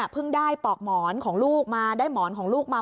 ได้ปอกหมอนของลูกมาได้หมอนของลูกมา